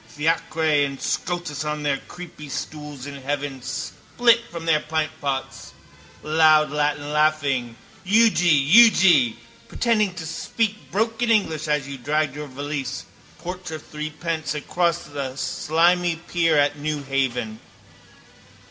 Fiacre and Scotus on their creepystools in heaven spilt from their pintpots, loudlatinlaughing: Euge! Euge! Pretending to speak broken English as you dragged your valise, porter threepence, across the slimy pier at Newhaven.